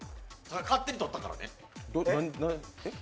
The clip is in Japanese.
勝手に取ったからね。